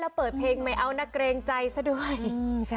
ถ้าเปิดเพลงไม่เอานะเกรงใจซะด้วย